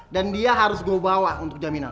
dan dia harus gue bawa untuk jaminan